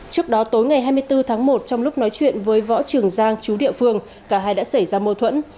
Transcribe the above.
trước đó tối ngày hai mươi bốn tháng một trong lúc nói chuyện với võ trường giang chú địa phương cả hai đã xảy ra mâu thuẫn